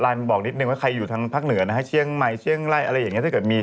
บอกนิดนึงว่าใครอยู่ทางภาคเหนือนะฮะเชียงใหม่เชียงไล่อะไรอย่างเงี้ถ้าเกิดมี